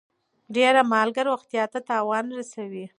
ډيره مالګه روغتيا ته تاوان رسوي.